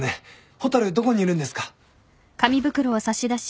蛍どこにいるんですか？